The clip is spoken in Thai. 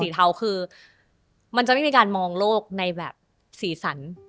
เทาคือมันจะไม่มีการมองโลกในแบบสีสัน